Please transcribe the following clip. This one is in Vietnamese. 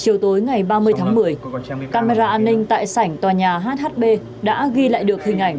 chiều tối ngày ba mươi tháng một mươi camera an ninh tại sảnh tòa nhà hhb đã ghi lại được hình ảnh